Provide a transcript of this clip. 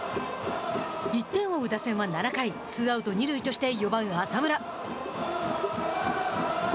１点を追う打線は７回ツーアウト、二塁として４番浅村。